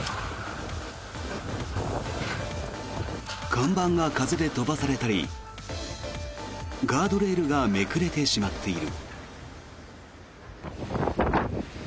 看板が風で飛ばされたりガードレールがめくれてしまっている。